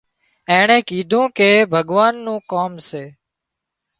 اينڻي ڪيڌوون ڪي ڀڳوان نُون ڪام سي